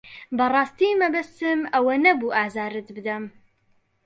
بەڕاستی مەبەستم ئەوە نەبوو ئازارت بدەم.